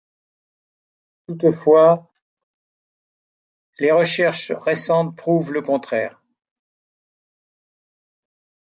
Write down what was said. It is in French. Toutefois les recherches récentes prouvent le contraire.